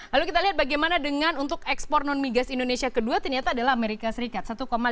lalu kita lihat bagaimana dengan untuk ekspor non migas indonesia kedua ternyata adalah amerika serikat